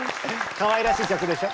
かわいらしい曲でしょ？